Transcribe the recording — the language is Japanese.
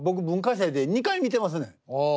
文化祭で２回見てますねん。